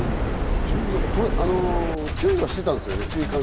下川さん、注意はしていたんですよね。